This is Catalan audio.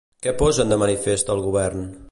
Què posen de manifest al govern?